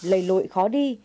lầy lội khó đi